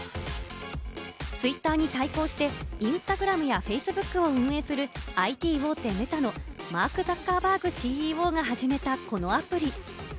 ツイッターに対抗してインスタグラムやフェイスブックを運営するＩＴ大手・Ｍｅｔａのマーク・ザッカーバーグＣＥＯが始めたこのアプリ。